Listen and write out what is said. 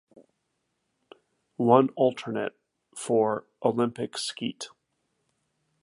One alternate for Olympic skeet.